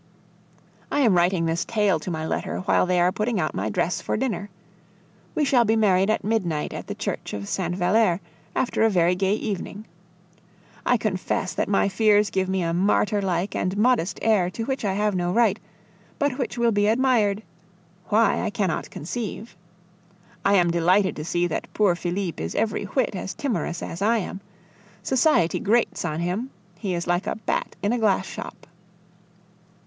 I am writing this tail to my letter while they are putting out my dress for dinner. We shall be married at midnight at the Church of Sainte Valere, after a very gay evening. I confess that my fears give me a martyr like and modest air to which I have no right, but which will be admired why, I cannot conceive. I am delighted to see that poor Felipe is every whit as timorous as I am; society grates on him, he is like a bat in a glass shop.